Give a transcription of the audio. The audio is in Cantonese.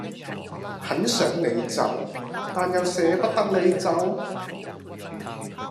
很想你走，但又捨不得你走